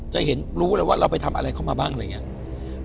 จะเห็นรู้เลยว่าเราไปทำอะไรเข้ามาบ้างอะไรอย่างนี้